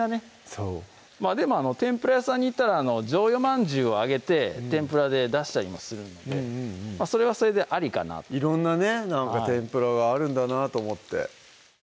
そうでも天ぷら屋さんに行ったらじょうよまんじゅうを揚げて天ぷらで出したりもするのでそれはそれでありかな色んなね